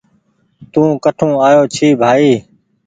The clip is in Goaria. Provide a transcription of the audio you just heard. توڪٺون آيو ڇي بهائي